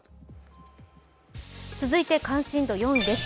続いて関心度４位です。